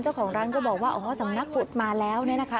เจ้าของร้านก็บอกว่าอ๋อสำนักพุทธมาแล้วเนี่ยนะคะ